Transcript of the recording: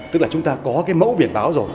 tức là chúng ta có cái mẫu biển báo rồi